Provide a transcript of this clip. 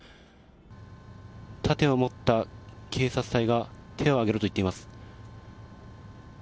盾を持った警察隊が手を挙げろと言っています。